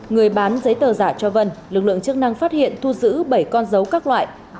người bán giấy tờ giả cho vân lực lượng chức năng phát hiện thu giữ bảy con dấu các loại